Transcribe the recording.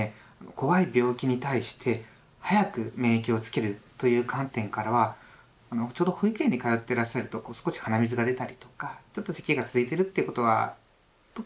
怖い病気に対して早く免疫をつけるという観点からはちょうど保育園に通ってらっしゃると少し鼻水が出たりとかちょっとせきが続いてるっていうことは特にあると思うんですよね。